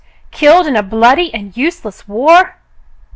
Killed in a bloody and useless war